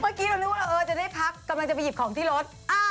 เมื่อกี้เรานึกว่าจะได้พักกำลังจะไปหยิบของที่รถ